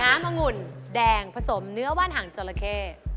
น้ำองุ่นแดงผสมเนื้อว่านหางจอดละเข้